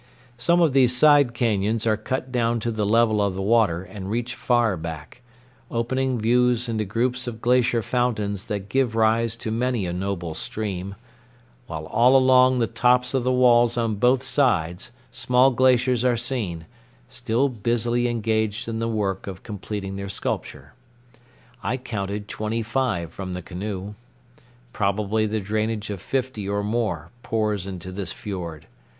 Some of these side cañons are cut down to the level of the water and reach far back, opening views into groups of glacier fountains that give rise to many a noble stream; while all along the tops of the walls on both sides small glaciers are seen, still busily engaged in the work of completing their sculpture. I counted twenty five from the canoe. Probably the drainage of fifty or more pours into this fiord.